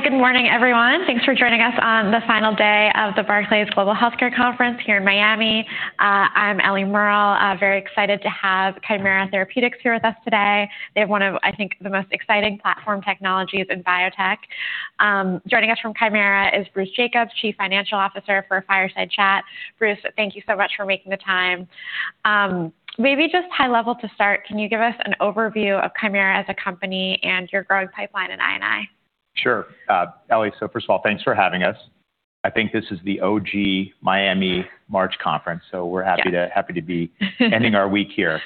Hi. Good morning, everyone. Thanks for joining us on the final day of the Barclays Global Healthcare Conference here in Miami. I'm Eliana Merle. Very excited to have Kymera Therapeutics here with us today. They have one of, I think, the most exciting platform technologies in biotech. Joining us from Kymera is Bruce Jacobs, Chief Financial Officer, for a fireside chat. Bruce, thank you so much for making the time. Maybe just high level to start, can you give us an overview of Kymera as a company and your growing pipeline in I&I? Sure. Eliana Merle, first of all, thanks for having us. I think this is the OG Miami March conference, so we're happy- Yeah. happy to be ending our week here.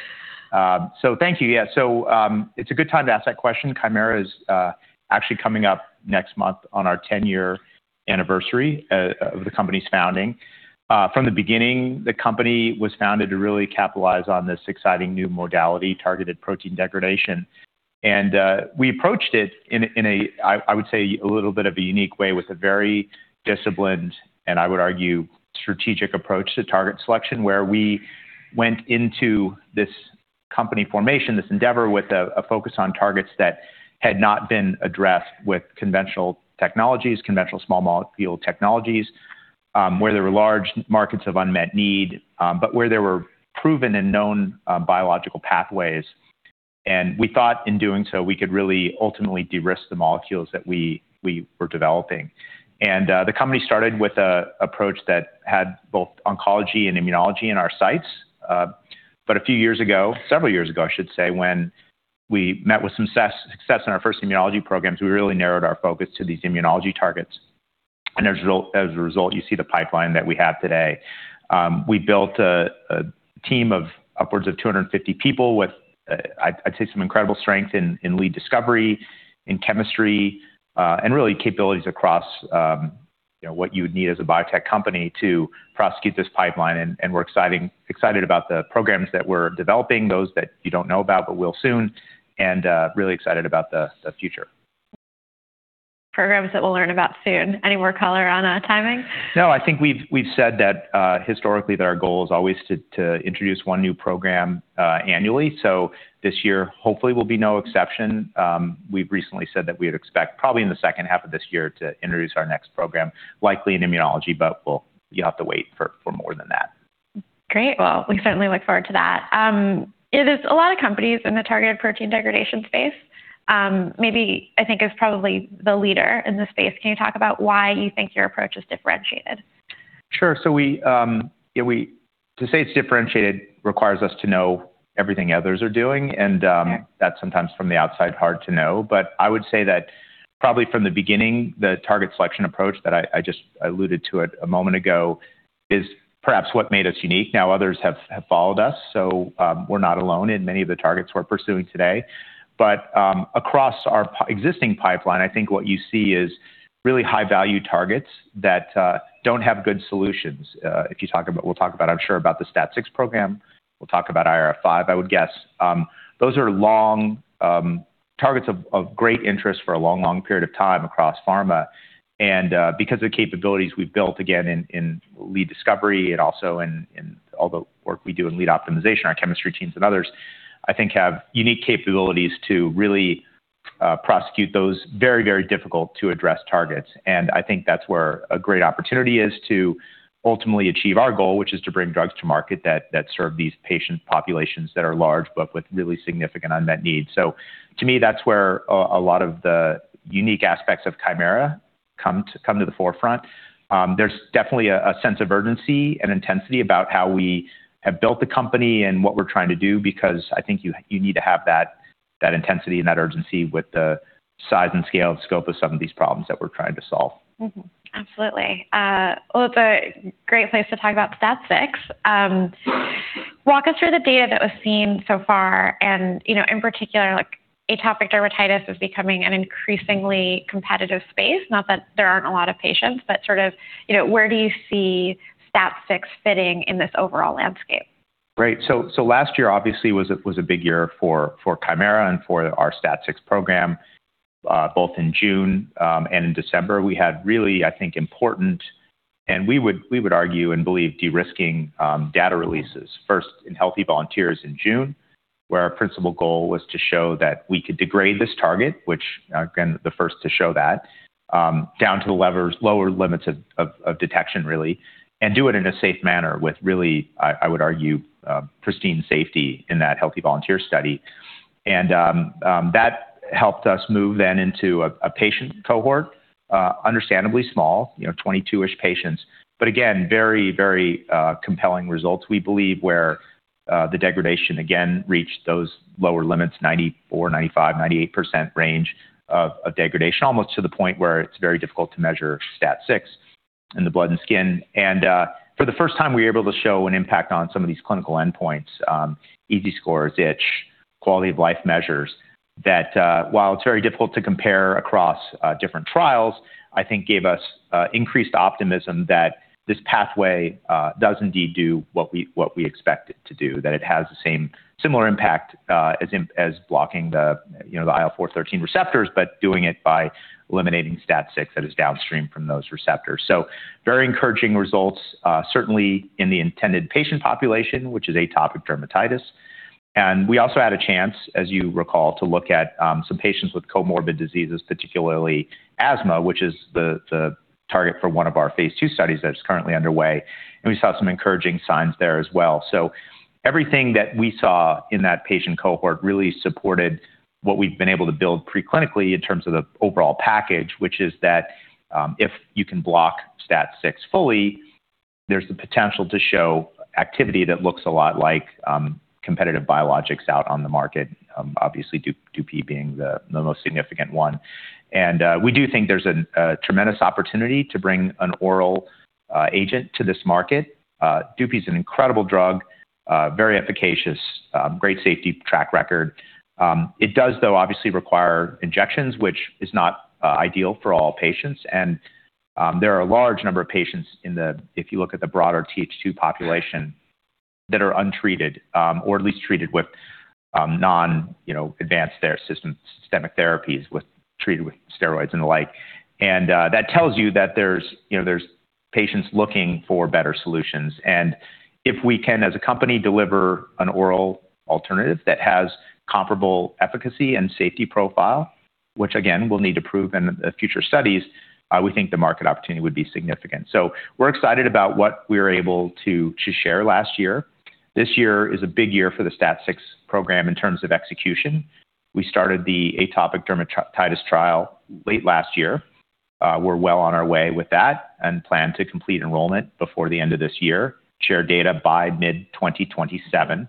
Thank you. Yeah. It's a good time to ask that question. Kymera is actually coming up next month on our ten-year anniversary of the company's founding. From the beginning, the company was founded to really capitalize on this exciting new modality, targeted protein degradation. We approached it in a I would say a little bit of a unique way with a very disciplined, and I would argue, strategic approach to target selection where we went into this company formation, this endeavor, with a focus on targets that had not been addressed with conventional technologies, conventional small molecule technologies, where there were large markets of unmet need, but where there were proven and known biological pathways. We thought, in doing so, we could really ultimately de-risk the molecules that we were developing. The company started with an approach that had both oncology and immunology in our sights. A few years ago, several years ago, I should say, when we met with some success in our first immunology programs, we really narrowed our focus to these immunology targets. As a result, you see the pipeline that we have today. We built a team of upwards of 250 people with, I'd say, some incredible strength in lead discovery, in chemistry, and really capabilities across, you know, what you would need as a biotech company to prosecute this pipeline. We're excited about the programs that we're developing, those that you don't know about but will soon, and really excited about the future. Programs that we'll learn about soon. Any more color on timing? No, I think we've said that historically that our goal is always to introduce one new program annually. This year, hopefully, will be no exception. We've recently said that we would expect probably in the second half of this year to introduce our next program, likely in immunology, but you'll have to wait for more than that. Great. Well, we certainly look forward to that. It is a lot of companies in the targeted protein degradation space, maybe I think is probably the leader in the space. Can you talk about why you think your approach is differentiated? Sure. To say it's differentiated requires us to know everything others are doing, and Yeah that's sometimes from the outside hard to know. I would say that probably from the beginning, the target selection approach that I just alluded to it a moment ago, is perhaps what made us unique. Now others have followed us, so we're not alone in many of the targets we're pursuing today. Across our existing pipeline, I think what you see is really high value targets that don't have good solutions. If you talk about, we'll talk about, I'm sure, about the STAT6 program. We'll talk about IRF5, I would guess. Those are long targets of great interest for a long period of time across pharma. Because of the capabilities we've built, again, in lead discovery and also in all the work we do in lead optimization, our chemistry teams and others, I think have unique capabilities to really prosecute those very, very difficult to address targets. I think that's where a great opportunity is to ultimately achieve our goal, which is to bring drugs to market that serve these patient populations that are large, but with really significant unmet needs. To me, that's where a lot of the unique aspects of Kymera come to the forefront. There's definitely a sense of urgency and intensity about how we have built the company and what we're trying to do because I think you need to have that intensity and that urgency with the size and scale and scope of some of these problems that we're trying to solve. Mm-hmm. Absolutely. Well, it's a great place to talk about STAT6. Walk us through the data that we've seen so far, and, you know, in particular, like, atopic dermatitis is becoming an increasingly competitive space. Not that there aren't a lot of patients, but sort of, you know, where do you see STAT6 fitting in this overall landscape? Right. Last year, obviously, was a big year for Kymera and for our STAT6 program. Both in June and in December, we had really, I think, important, and we would argue and believe, de-risking data releases. First, in healthy volunteers in June, where our principal goal was to show that we could degrade this target, which, again, the first to show that, down to the lower limits of detection, really, and do it in a safe manner with really, I would argue, pristine safety in that healthy volunteer study. that helped us move then into a patient cohort, understandably small, you know, 22-ish patients, but again, very compelling results, we believe, where the degradation again reached those lower limits, 94%, 95%, 98% range of degradation, almost to the point where it's very difficult to measure STAT6 in the blood and skin. For the first time, we were able to show an impact on some of these clinical endpoints, EASI scores, itch, quality of life measures that, while it's very difficult to compare across, different trials, I think gave us, increased optimism that this pathway, does indeed do what we expect it to do, that it has the same similar impact, as blocking the, you know, the IL-4 receptor, but doing it by eliminating STAT6 that is downstream from those receptors. Very encouraging results, certainly in the intended patient population, which is atopic dermatitis. We also had a chance, as you recall, to look at, some patients with comorbid diseases, particularly asthma, which is the target for one of our phase 2 studies that is currently underway. We saw some encouraging signs there as well. Everything that we saw in that patient cohort really supported what we've been able to build pre-clinically in terms of the overall package, which is that, if you can block STAT6 fully, there's the potential to show activity that looks a lot like competitive biologics out on the market, obviously Dupixent being the most significant one. We do think there's a tremendous opportunity to bring an oral agent to this market. Dupixent is an incredible drug, very efficacious, great safety track record. It does, though, obviously require injections, which is not ideal for all patients. There are a large number of patients in the... If you look at the broader TH2 population that are untreated, or at least treated with non, you know, advanced systemic therapies treated with steroids and the like. That tells you that there's, you know, there's patients looking for better solutions. If we can, as a company, deliver an oral alternative that has comparable efficacy and safety profile, which again, we'll need to prove in the future studies, we think the market opportunity would be significant. We're excited about what we were able to share last year. This year is a big year for the STAT6 program in terms of execution. We started the atopic dermatitis trial late last year. We're well on our way with that and plan to complete enrollment before the end of this year, share data by mid-2027.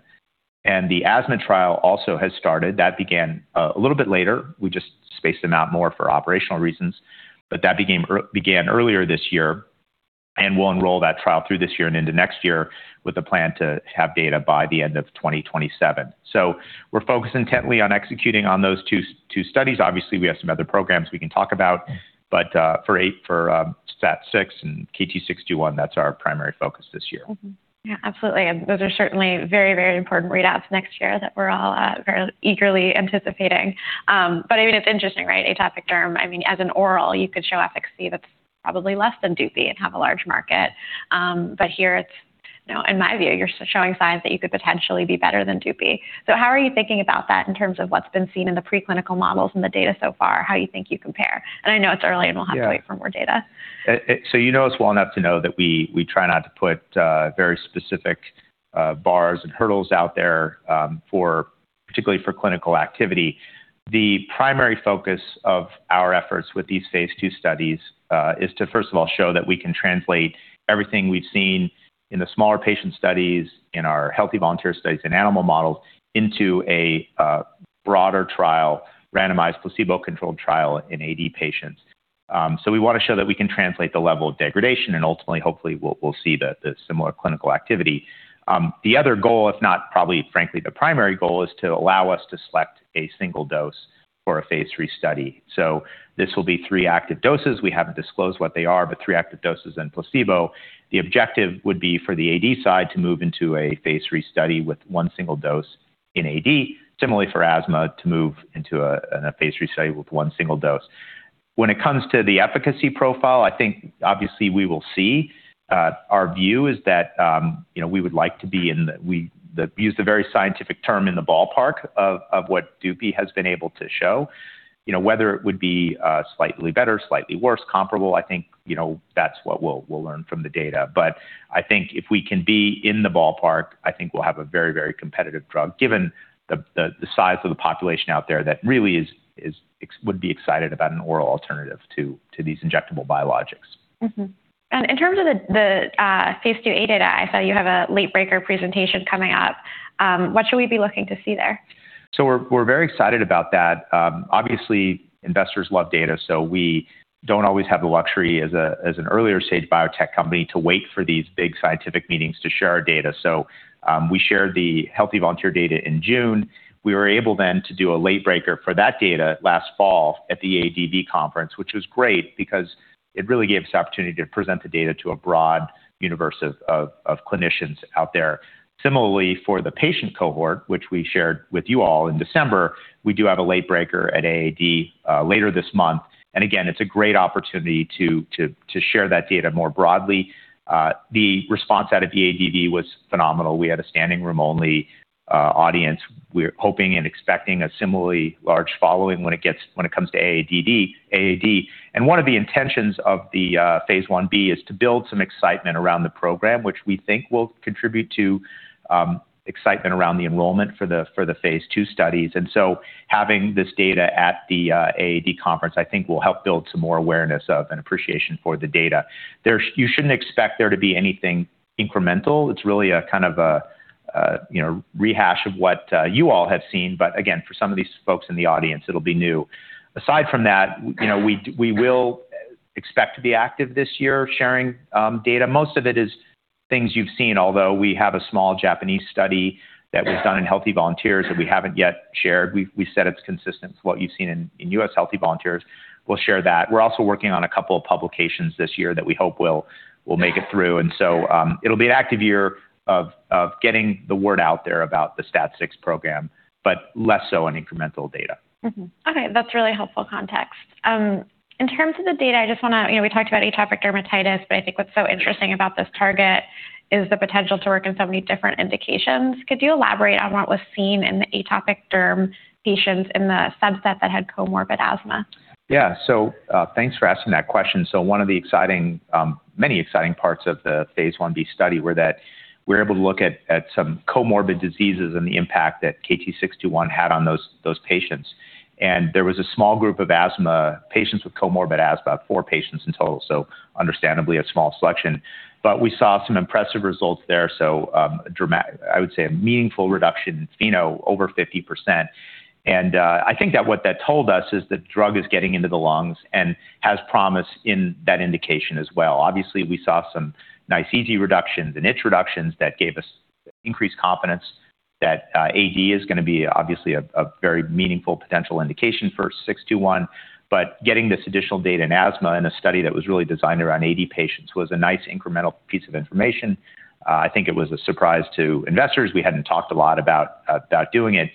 The asthma trial also has started. That began a little bit later. We just spaced them out more for operational reasons. That began earlier this year, and we'll enroll that trial through this year and into next year with a plan to have data by the end of 2027. We're focused intently on executing on those two studies. Obviously, we have some other programs we can talk about, but for STAT6 and KT-621, that's our primary focus this year. Yeah, absolutely. Those are certainly very, very important readouts next year that we're all very eagerly anticipating. But I mean, it's interesting, right? Atopic derm, I mean, as an oral, you could show efficacy that's probably less than Dupixent and have a large market. But here it's, you know, in my view, you're showing signs that you could potentially be better than Dupixent. So how are you thinking about that in terms of what's been seen in the preclinical models and the data so far, how you think you compare? I know it's early, and we'll have- Yeah. to wait for more data. You know us well enough to know that we try not to put very specific bars and hurdles out there, particularly for clinical activity. The primary focus of our efforts with these phase II studies is to, first of all, show that we can translate everything we've seen in the smaller patient studies, in our healthy volunteer studies, in animal models, into a broader trial, randomized placebo-controlled trial in AD patients. We wanna show that we can translate the level of degradation, and ultimately, hopefully, we'll see the similar clinical activity. The other goal, if not probably, frankly, the primary goal, is to allow us to select a single dose for a phase III study. This will be three active doses. We haven't disclosed what they are, but three active doses and placebo. The objective would be for the AD side to move into a phase III study with one single dose in AD. Similarly, for asthma to move into a phase III study with one single dose. When it comes to the efficacy profile, I think obviously we will see. Our view is that, you know, we would like to use the very scientific term in the ballpark of what Dupixent has been able to show. You know, whether it would be slightly better, slightly worse, comparable, I think, you know, that's what we'll learn from the data. I think if we can be in the ballpark, I think we'll have a very, very competitive drug, given the size of the population out there that really would be excited about an oral alternative to these injectable biologics. Mm-hmm. In terms of phase II-A data, I saw you have a late-breaker presentation coming up. What should we be looking to see there? We're very excited about that. Obviously, investors love data, so we don't always have the luxury as an earlier stage biotech company to wait for these big scientific meetings to share our data. We shared the healthy volunteer data in June. We were able then to do a late breaker for that data last fall at the AAD conference, which was great because it really gave us the opportunity to present the data to a broad universe of clinicians out there. Similarly, for the patient cohort, which we shared with you all in December, we do have a late breaker at AAD later this month. It's a great opportunity to share that data more broadly. The response out of the AAD was phenomenal. We had a standing room only audience. We're hoping and expecting a similarly large following when it comes to AAD. One of the intentions of the phase I-B is to build some excitement around the program, which we think will contribute to excitement around the enrollment for the phase II studies. Having this data at the AAD conference, I think will help build some more awareness of and appreciation for the data. You shouldn't expect there to be anything incremental. It's really kind of a, you know, rehash of what you all have seen, but again, for some of these folks in the audience, it'll be new. Aside from that, you know, we will expect to be active this year sharing data. Most of it is things you've seen, although we have a small Japanese study that was done in healthy volunteers that we haven't yet shared. We said it's consistent to what you've seen in US healthy volunteers. We'll share that. We're also working on a couple of publications this year that we hope will make it through. It'll be an active year of getting the word out there about the STAT6 program. Less so on incremental data. Mm-hmm. Okay, that's really helpful context. In terms of the data, I just wanna you know, we talked about atopic dermatitis, but I think what's so interesting about this target is the potential to work in so many different indications. Could you elaborate on what was seen in the atopic derm patients in the subset that had comorbid asthma? Yeah. Thanks for asking that question. One of the exciting, many exciting parts of the phase I-B study were that we're able to look at some comorbid diseases and the impact that KT-621 had on those patients. There was a small group of asthma patients with comorbid asthma, four patients in total, so understandably a small selection. We saw some impressive results there. I would say a meaningful reduction, you know, over 50%. I think that what that told us is the drug is getting into the lungs and has promise in that indication as well. Obviously, we saw some nice EASI reductions and itch reductions that gave us increased confidence that AD is gonna be obviously a very meaningful potential indication for 621. Getting this additional data in asthma in a study that was really designed around AD patients was a nice incremental piece of information. I think it was a surprise to investors. We hadn't talked a lot about doing it.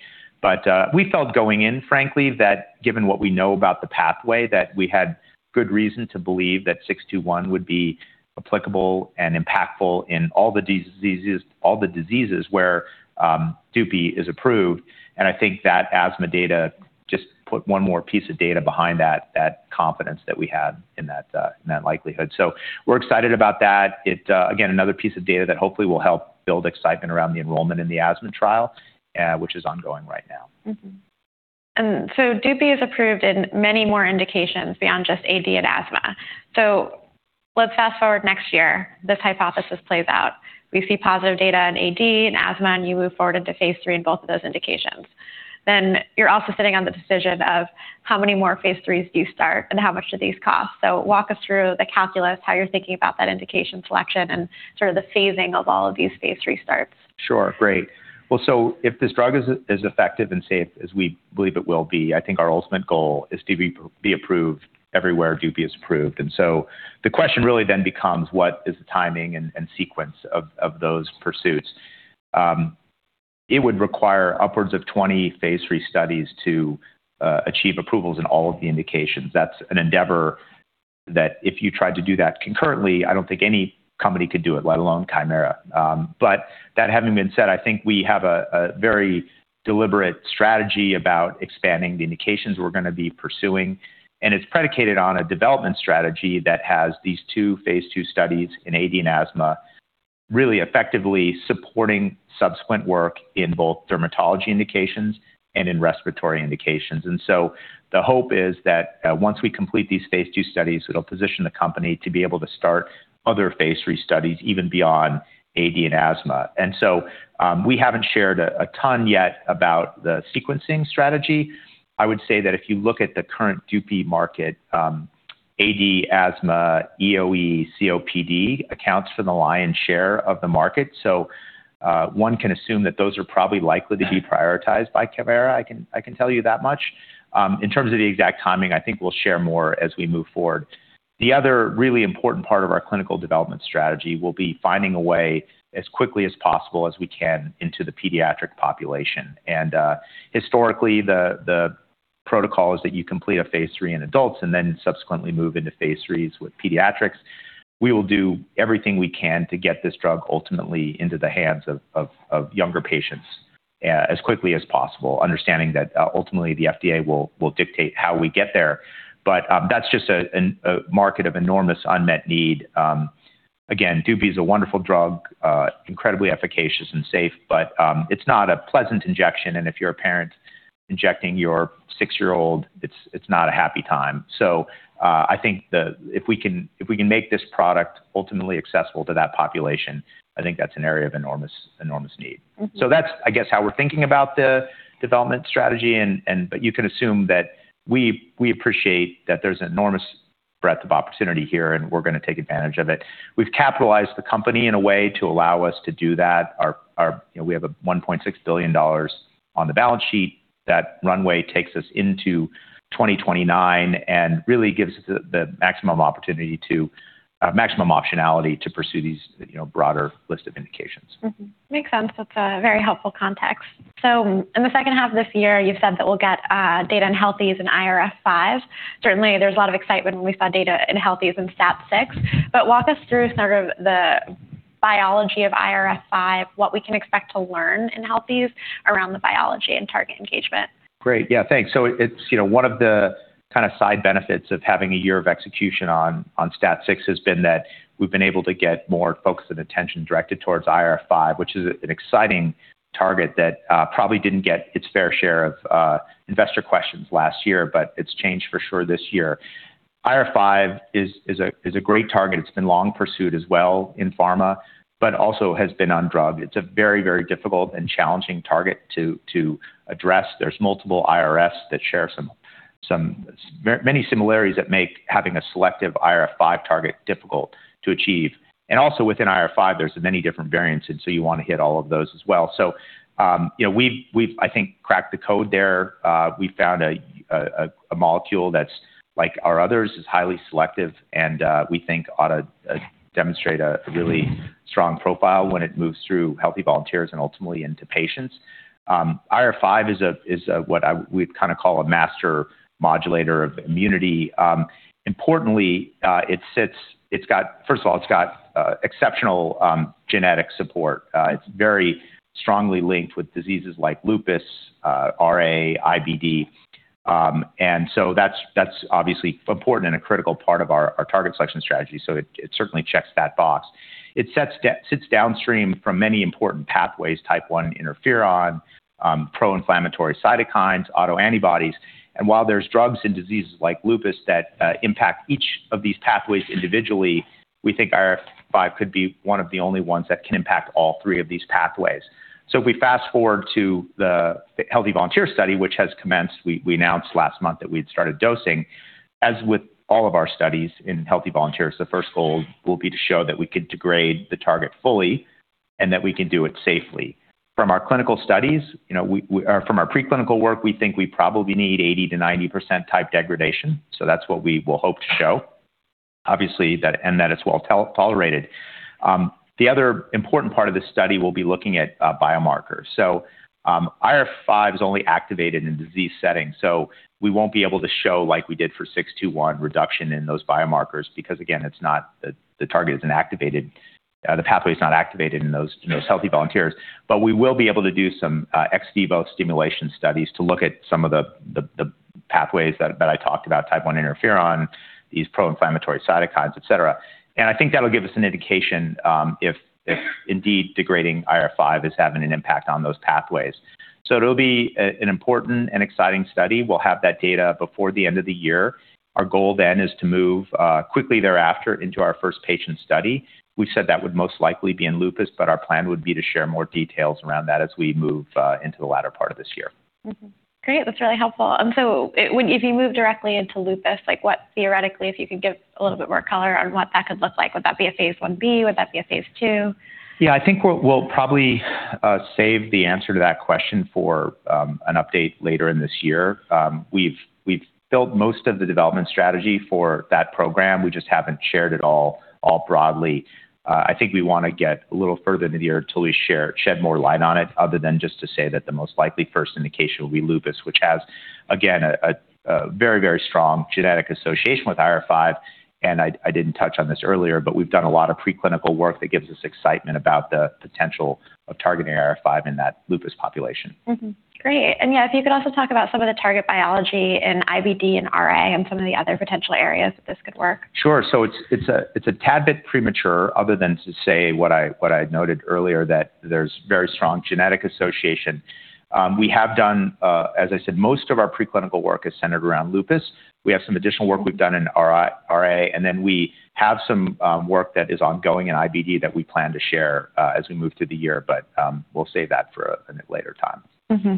We felt going in, frankly, that given what we know about the pathway, that we had good reason to believe that KT-621 would be applicable and impactful in all the diseases where Dupixent is approved. I think that asthma data just put one more piece of data behind that confidence that we had in that likelihood. We're excited about that. It, again, another piece of data that hopefully will help build excitement around the enrollment in the asthma trial, which is ongoing right now. Dupixent is approved in many more indications beyond just AD and asthma. Let's fast-forward next year, this hypothesis plays out. We see positive data in AD and asthma, and you move forward into phase III in both of those indications. You're also sitting on the decision of how many more phase III do you start, and how much do these cost? Walk us through the calculus, how you're thinking about that indication selection, and sort of the phasing of all of these phase III starts. Sure. Great. Well, if this drug is effective and safe as we believe it will be, I think our ultimate goal is to be approved everywhere Dupixent is approved. The question really then becomes what is the timing and sequence of those pursuits? It would require upwards of 20 phase III studies to achieve approvals in all of the indications. That's an endeavor that if you tried to do that concurrently, I don't think any company could do it, let alone Kymera Therapeutics. That having been said, I think we have a very deliberate strategy about expanding the indications we're gonna be pursuing, and it's predicated on a development strategy that has these two phase II studies in AD and asthma really effectively supporting subsequent work in both dermatology indications and in respiratory indications. The hope is that, once we complete these phase II studies, it'll position the company to be able to start other phase III studies even beyond AD and asthma. We haven't shared a ton yet about the sequencing strategy. I would say that if you look at the current Dupixent market, AD, asthma, EoE, COPD accounts for the lion's share of the market. One can assume that those are probably likely to be prioritized by Kymera. I can tell you that much. In terms of the exact timing, I think we'll share more as we move forward. The other really important part of our clinical development strategy will be finding a way as quickly as possible as we can into the pediatric population. Historically, the protocol is that you complete a phase III in adults and then subsequently move into phase III with pediatrics. We will do everything we can to get this drug ultimately into the hands of younger patients as quickly as possible, understanding that ultimately, the FDA will dictate how we get there. That's just a market of enormous unmet need. Again, Dupixent is a wonderful drug, incredibly efficacious and safe, but it's not a pleasant injection, and if you're a parent injecting your six-year-old, it's not a happy time. I think if we can make this product ultimately accessible to that population, I think that's an area of enormous need. Mm-hmm. That's, I guess, how we're thinking about the development strategy and. But you can assume that we appreciate that there's enormous breadth of opportunity here, and we're gonna take advantage of it. We've capitalized the company in a way to allow us to do that. You know, we have $1.6 billion on the balance sheet. That runway takes us into 2029 and really gives the maximum opportunity to maximum optionality to pursue these, you know, broader list of indications. Makes sense. That's a very helpful context. In the second half of this year, you've said that we'll get data in healthy volunteers on IRF5. Certainly, there's a lot of excitement when we saw data in healthy volunteers on STAT6. Walk us through sort of the biology of IRF5, what we can expect to learn in healthy volunteers around the biology and target engagement. Great. Yeah, thanks. It's, you know, one of the kinda side benefits of having a year of execution on STAT6 has been that we've been able to get more focus and attention directed towards IRF5, which is an exciting target that probably didn't get its fair share of investor questions last year, but it's changed for sure this year. IRF5 is a great target. It's been long pursued as well in pharma, but also has been undrugged. It's a very, very difficult and challenging target to address. There's multiple IRFs that share many similarities that make having a selective IRF5 target difficult to achieve. Also within IRF5, there's many different variants, and so you wanna hit all of those as well. you know, we've I think cracked the code there. We found a molecule that's like our others, is highly selective and we think ought to demonstrate a really strong profile when it moves through healthy volunteers and ultimately into patients. IRF5 is a what we'd kinda call a master modulator of immunity. Importantly, it sits. First of all, it's got exceptional genetic support. It's very strongly linked with diseases like lupus, RA, IBD, and that's obviously important and a critical part of our target selection strategy, so it certainly checks that box. It sits downstream from many important pathways, Type I interferon, pro-inflammatory cytokines, autoantibodies. While there's drugs in diseases like lupus that impact each of these pathways individually, we think IRF5 could be one of the only ones that can impact all three of these pathways. If we fast-forward to the healthy volunteer study, which has commenced, we announced last month that we'd started dosing. As with all of our studies in healthy volunteers, the first goal will be to show that we could degrade the target fully and that we can do it safely. From our preclinical work, you know, we think we probably need 80%-90% target degradation, so that's what we will hope to show. Obviously, that and that it's well tolerated. The other important part of this study will be looking at biomarkers. IRF5 is only activated in disease settings, so we won't be able to show like we did for KT-621 reduction in those biomarkers because, again, the target isn't activated. The pathway's not activated in those healthy volunteers. We will be able to do some ex vivo stimulation studies to look at some of the pathways that I talked about, Type I interferon, these pro-inflammatory cytokines, et cetera. I think that'll give us an indication if indeed degrading IRF5 is having an impact on those pathways. It'll be an important and exciting study. We'll have that data before the end of the year. Our goal then is to move quickly thereafter into our first patient study. We said that would most likely be in lupus, but our plan would be to share more details around that as we move into the latter part of this year. Mm-hmm. Great. That's really helpful. If you move directly into lupus, like what theoretically, if you could give a little bit more color on what that could look like, would that be a phase I-B? Would that be a phase II? Yeah. I think we'll probably save the answer to that question for an update later in this year. We've built most of the development strategy for that program. We just haven't shared it all broadly. I think we wanna get a little further into the year till we shed more light on it other than just to say that the most likely first indication will be lupus, which has, again, a very strong genetic association with IRF5. I didn't touch on this earlier, but we've done a lot of preclinical work that gives us excitement about the potential of targeting IRF5 in that lupus population. Great. Yeah, if you could also talk about some of the target biology in IBD and RA and some of the other potential areas that this could work. Sure. It's a tad bit premature other than to say what I noted earlier that there's very strong genetic association. We have done, as I said, most of our preclinical work is centered around lupus. We have some additional work we've done in RA, and then we have some work that is ongoing in IBD that we plan to share as we move through the year, but we'll save that for a later time. Mm-hmm.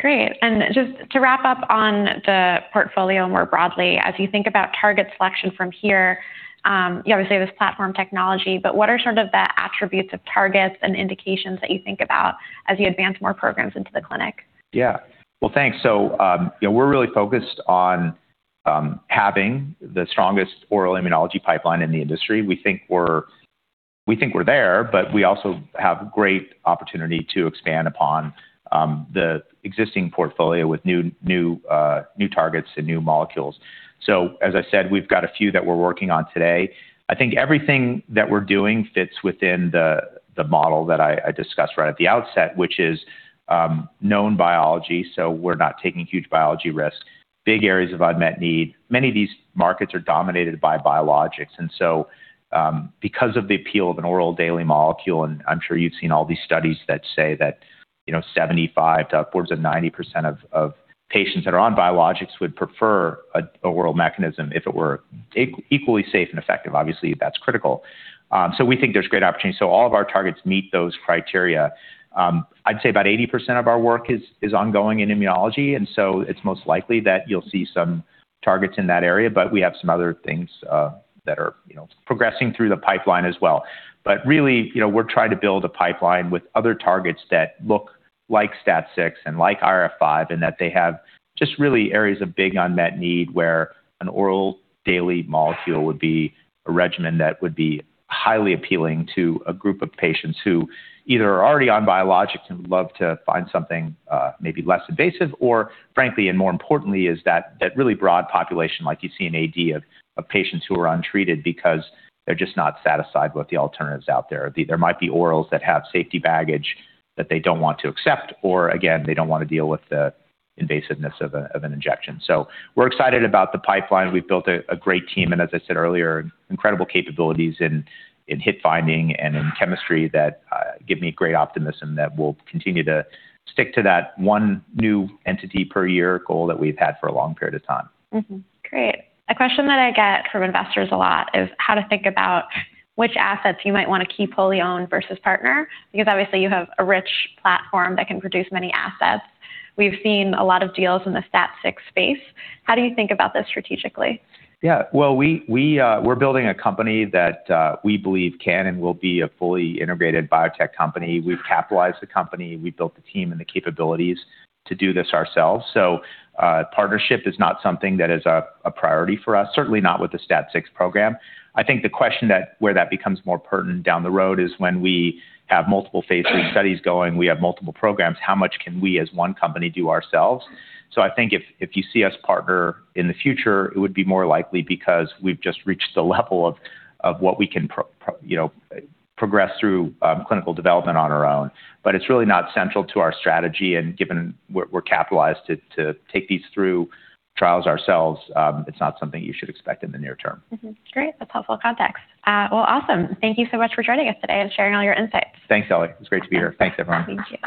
Great. Just to wrap up on the portfolio more broadly, as you think about target selection from here, you obviously have this platform technology, but what are sort of the attributes of targets and indications that you think about as you advance more programs into the clinic? Yeah. Well, thanks. You know, we're really focused on having the strongest oral immunology pipeline in the industry. We think we're there, but we also have great opportunity to expand upon the existing portfolio with new targets and new molecules. As I said, we've got a few that we're working on today. I think everything that we're doing fits within the model that I discussed right at the outset, which is known biology, so we're not taking huge biology risk, big areas of unmet need. Many of these markets are dominated by biologics, and so because of the appeal of an oral daily molecule, and I'm sure you've seen all these studies that say that, you know, 75 to upwards of 90% of patients that are on biologics would prefer a oral mechanism if it were equally safe and effective. Obviously, that's critical. We think there's great opportunity. All of our targets meet those criteria. I'd say about 80% of our work is ongoing in immunology, and so it's most likely that you'll see some targets in that area. We have some other things that are, you know, progressing through the pipeline as well. Really, you know, we're trying to build a pipeline with other targets that look like STAT6 and like IRF5 in that they have just really areas of big unmet need where an oral daily molecule would be a regimen that would be highly appealing to a group of patients who either are already on biologics and would love to find something, maybe less invasive, or frankly, and more importantly, that really broad population, like you see in AD, of patients who are untreated because they're just not satisfied with the alternatives out there. There might be orals that have safety baggage that they don't want to accept, or again, they don't wanna deal with the invasiveness of a, of an injection. So we're excited about the pipeline. We've built a great team, and as I said earlier, incredible capabilities in hit finding and in chemistry that give me great optimism that we'll continue to stick to that one new entity per year goal that we've had for a long period of time. Great. A question that I get from investors a lot is how to think about which assets you might wanna keep wholly owned versus partner because obviously you have a rich platform that can produce many assets. We've seen a lot of deals in the STAT6 space. How do you think about this strategically? Yeah. Well, we're building a company that we believe can and will be a fully integrated biotech company. We've capitalized the company. We've built the team and the capabilities to do this ourselves. Partnership is not something that is a priority for us, certainly not with the STAT6 program. I think the question where that becomes more pertinent down the road is when we have multiple phase III studies going, we have multiple programs, how much can we as one company do ourselves? I think if you see us partner in the future, it would be more likely because we've just reached the level of what we can progress through clinical development on our own. It's really not central to our strategy, and given we're capitalized to take these through trials ourselves, it's not something you should expect in the near term. Great. That's helpful context. Well, awesome. Thank you so much for joining us today and sharing all your insights. Thanks, Eliana. It was great to be here. Thanks, everyone. Thank you.